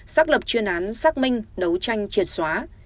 xác lập chuyên án xác minh đấu tranh triệt xóa